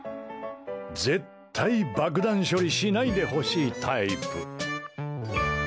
絶対爆弾処理しないでほしいタイプ。